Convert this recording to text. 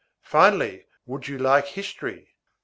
Finally, would you like history?